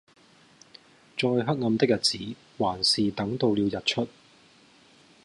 再黑暗的日子還是等到了日出